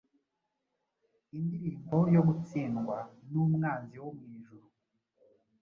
Indirimbo yo gutsindwa numwanzi wo mwijuru